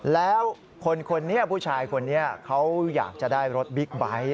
แล้วคนนี้ผู้ชายคนนี้เขาอยากจะได้รถบิ๊กไบท์